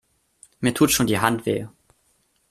Mir tut schon die Hand weh.